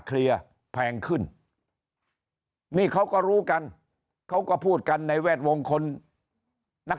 เคลียร์แพงขึ้นนี่เขาก็รู้กันเขาก็พูดกันในแวดวงคนนัก